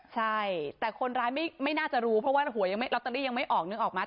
ใช่แต่คนร้ายไม่น่าจะรู้เพราะว่าหัวยังไม่ลอตเตอรี่ยังไม่ออกนึกออกไหม